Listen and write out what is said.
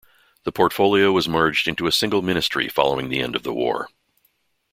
The portfolio was merged into a single ministry following the end of the war.